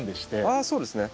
あそうですね。